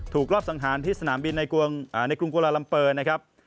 รอบสังหารที่สนามบินในกรุงกุลาลัมเปอร์นะครับ